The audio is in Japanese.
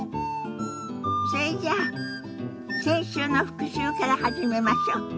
それじゃあ先週の復習から始めましょ。